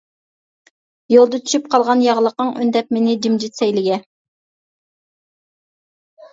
يولدا چۈشۈپ قالغان ياغلىقىڭ، ئۈندەپ مېنى جىمجىت سەيلىگە.